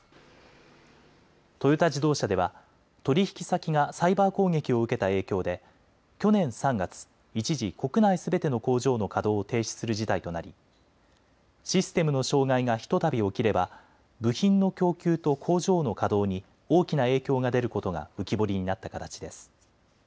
トヨタ自動車では取引先がサイバー攻撃を受けた影響で去年３月、一時、国内すべての工場の稼働を停止する事態となりシステムの障害がひとたび起きれば部品の供給と工場の稼働に大きな影響が出ることが浮き彫りになった形です。